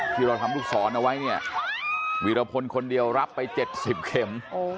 ที่เราทำลูกศรเอาไว้เนี่ยวีรพลคนเดียวรับไป๗๐เข็ม